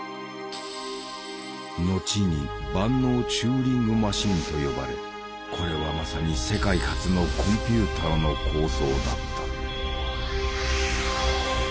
後に万能チューリング・マシンと呼ばれこれはまさに世界初のコンピューターの構想だった。